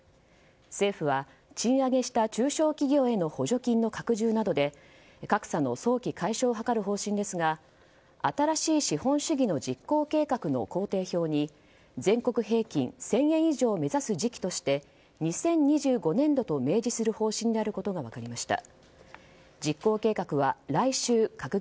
政府は賃上げした中小企業への補助金の拡充などで格差の早期解消を図る方針ですが新しい資本主義の実行計画の工程表に全国平均１０００円以上を目指す時期として２０２５年度と明示する方針であることが分かりました。